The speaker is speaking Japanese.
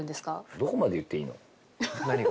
どこまで言っていいの？何が？